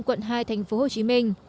quận hai thành phố hồ chí minh